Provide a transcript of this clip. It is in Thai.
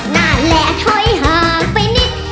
นั่นแหละถอยห่างไปนิด